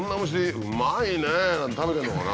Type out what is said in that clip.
「うまいね」なんて食べてんのかな。